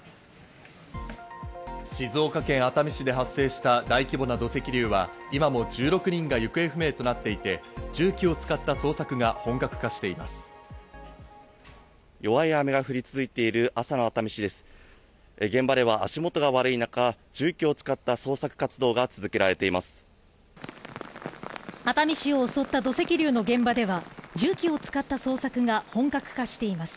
静岡県熱海市で発生した大規模な土石流は今も１６人が行方不明となっていて、重機を使った捜索が本格化しています。